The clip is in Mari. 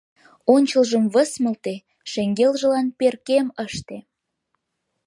Ончылжым высмылте, шеҥгелжылан перкем ыште.